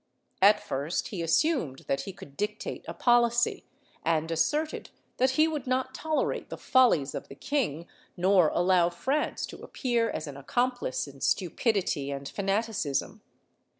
At first he assumed that he could dictate a policy, and asserted that he would not tolerate the follies of the king nor allow France to appear as an accomplice in stupidity and fanaticism.